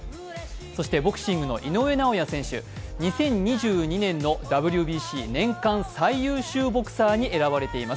そしてボクシングの井上尚弥選手、２０２２年のＷＢＣ年間最優秀ボクサーに選ばれています。